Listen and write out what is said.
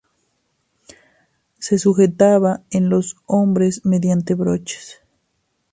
Se sujetaba en los hombres mediante broches.